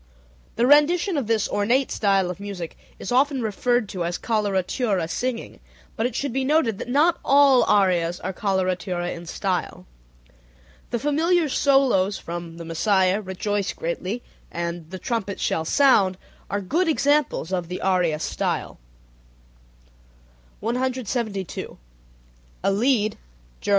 The rendition of this ornate style of music is often referred to as "coloratura singing," but it should be noted that not all arias are coloratura in style. The familiar solos from The Messiah "Rejoice Greatly," and "The trumpet shall sound" are good examples of the aria style. 172. A lied (Ger.